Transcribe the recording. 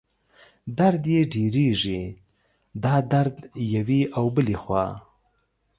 درد یې ډېرېږي، دا درد یوې او بلې خوا